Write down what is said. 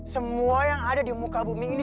semua yang ada di muka bumi ini